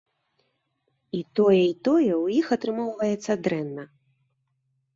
І тое, і тое ў іх атрымоўваецца дрэнна.